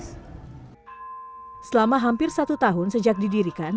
selama hampir satu tahun sejak didirikan